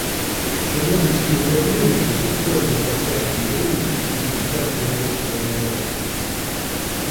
Чернобыльские проблемы до сих пор лежат тяжким бременем на плечах белорусского народа.